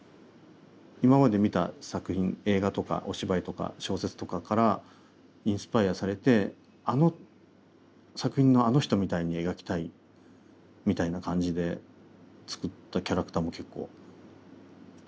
今まで見た作品映画とかお芝居とか小説とかからインスパイアーされてあの作品のあの人みたいに描きたいみたいな感じで作ったキャラクターも結構ありますね。